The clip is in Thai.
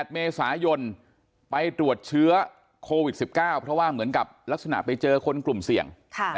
๘เมษายนไปตรวจเชื้อโควิด๑๙เพราะว่าเหมือนกับลักษณะไปเจอคนกลุ่มเสี่ยง